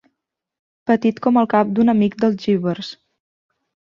Petit com el cap d'un amic dels jívars.